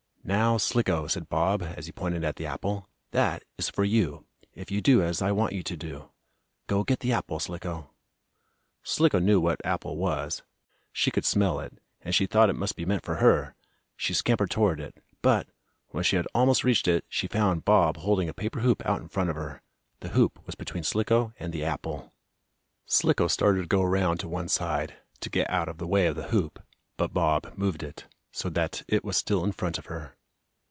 "Now, Slicko," said Bob, as he pointed at the apple, "that is for you, if you do as I want you to do. Go get the apple, Slicko." Slicko knew what apple was. She could smell it, and she thought it must be meant for her. She scampered toward it, but, when she had almost reached it she found Bob holding a paper hoop out in front of her. The hoop was between Slicko and the apple. Slicko started to go around to one side, to get out of the way of the hoop, but Bob moved it, so that it was still in front of her.